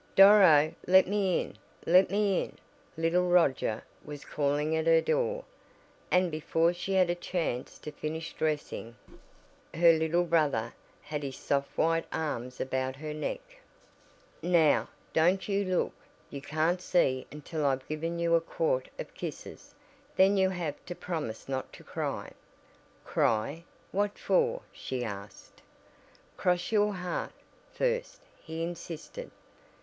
"Doro, let me in! Let me in!" little Roger was calling at her door, and before she had a chance to finish dressing, her little brother had his soft white arms about her neck. "Now, don't you look. You can't see until I've given you a quart of kisses, then you have to promise not to cry." "Cry? What for?" she asked. "Cross your heart, first," he insisted.